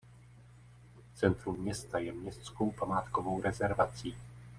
Centrum města je městskou památkovou rezervací.